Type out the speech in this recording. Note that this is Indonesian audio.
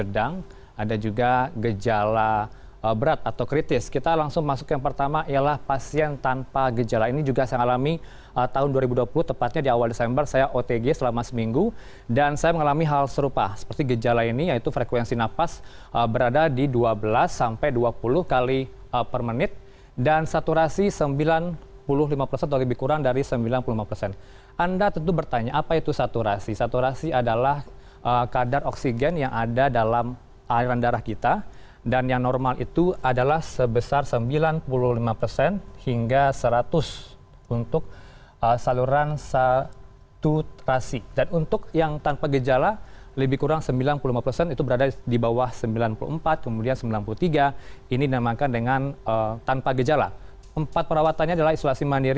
bagaimana menganalisis gejala keluarga atau kerabat yang terjangkit virus covid sembilan belas